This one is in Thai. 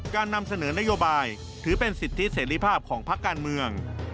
นำเสนอนโยบายถือเป็นสิทธิเสรีภาพของพักการเมือง